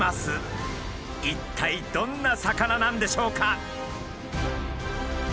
一体どんな魚なんでしょうか？